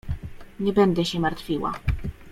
— Nie będę się martwiła.